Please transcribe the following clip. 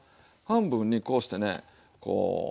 半分にこうしてねこう。